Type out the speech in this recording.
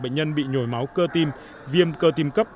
bệnh nhân bị nhồi máu cơ tim viêm cơ tim cấp